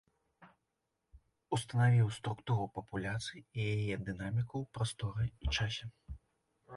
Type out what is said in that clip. Устанавіў структуру папуляцый і яе дынаміку ў прасторы і часе.